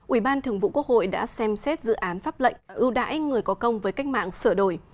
ủy ban thường vụ quốc hội đã xem xét dự án pháp lệnh ưu đãi người có công với cách mạng sửa đổi